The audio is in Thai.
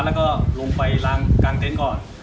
แล้วก็ลงไปล้างกลางเต็นต์ก่อน